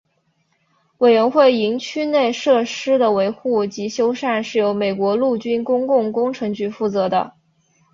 委员会营区内设施的维护及修缮是由美国陆军公共工程局负责的。